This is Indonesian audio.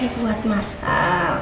ini buat masak